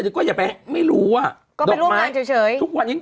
ก็อยากใช้ก็อย่าไปไม่รู้อ่ะก็เป็นงานเฉยดอกไม้ทุกวันนี้